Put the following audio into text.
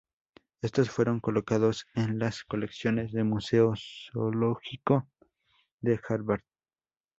Estos fueron colocados en las colecciones del Museo Zoológico de Harvard.